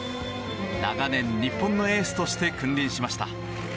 長年、日本のエースとして君臨しました。